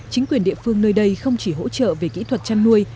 chính quyền địa phương nơi đây không chỉ hỗ trợ về kỹ thuật chăn nuôi